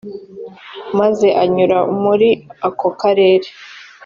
maze anyura muri ako karere